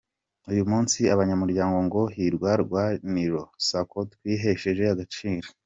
Uyu munsi abanyamuryango ba Hirwa Rwaniro Sacco twihesheje agaciro”.